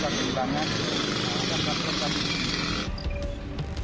dari kepala desa rt rw yang terlalu banyak hilang